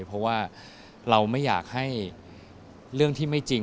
เพราะว่าเราไม่อยากให้เรื่องที่ไม่จริง